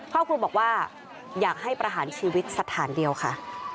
ครอบครัวบอกว่าอยากให้ประหารชีวิตสถานเดียวค่ะ